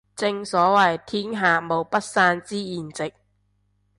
正所謂天下無不散之筵席